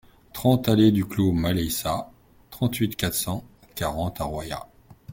trente allée du Clos Maleissa, trente-huit, quatre cent quarante à Royas